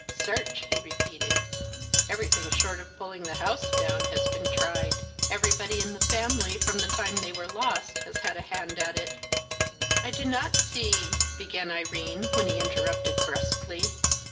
"Search!" he repeated. "Everything short of pulling the house down has been tried. Everybody in the family from the time they were lost has had a hand at it." "I do not see " began Irene, when he interrupted brusquely.